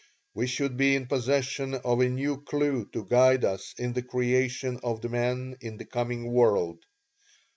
We should be in possession of a new clue to guide us in the creation of the man in the coming world.